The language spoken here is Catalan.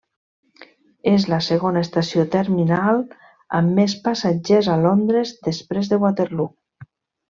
És la segona estació terminal amb més passatgers a Londres després de Waterloo.